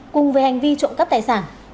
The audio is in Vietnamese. cùng với hành vi trộm cắp tài sản